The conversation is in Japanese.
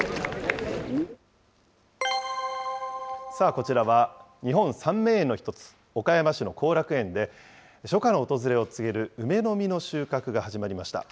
こちらは日本三名園の一つ、岡山市の後楽園で、初夏の訪れを告げる梅の実の収穫が始まりました。